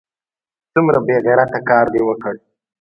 څومره بې غیرته کار دې وکړ!